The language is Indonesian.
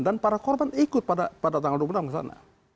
dan para korban ikut pada tanggal dua puluh enam ke sana